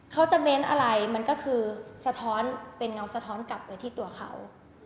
เขาจะเบ้นอะไรมันก็คือสะท้อนเป็นเงาสะท้อนกลับไปที่ตัวเขา